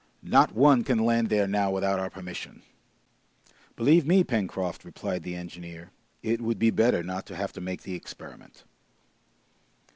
Not one can land there now without our permission!" "Believe me, Pencroft," replied the engineer, "it would be better not to have to make the experiment."